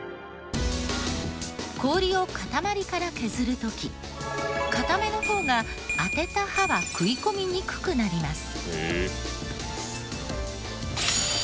氷を塊から削る時硬めの方が当てた刃は食い込みにくくなります。